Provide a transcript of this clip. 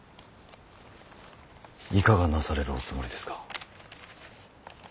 いかがなされるおつもりですか。